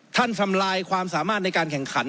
ทำลายความสามารถในการแข่งขัน